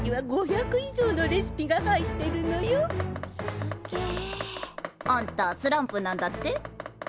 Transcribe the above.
すんげえ。あんたスランプなんだって？